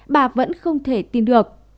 bà vẫn không thể tin được